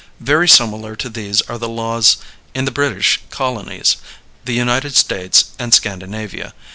Very similar to these are the laws in the British colonies, the United States, and Scandinavia.